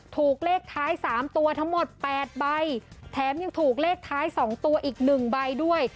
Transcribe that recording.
ถูกเลขท้าย๓ตัวทั้งหมด๘ใบแถมยังถูกเลขท้าย๒ตัวอีก๑ใบด้วย